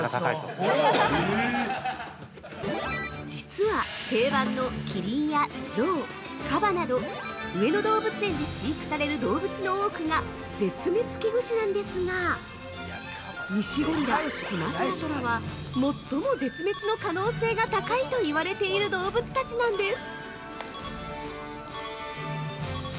◆実は、定番のキリンやゾウカバなど、上野動物園で飼育される動物の多くが絶滅危惧種なんですがニシゴリラ、スマトラトラは最も絶滅の可能性が高いと言われている動物たちなんです。